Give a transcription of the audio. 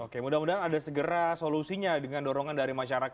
oke mudah mudahan ada segera solusinya dengan dorongan dari masyarakat